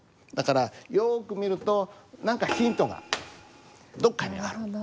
だからよく見ると何かヒントがどこかにある！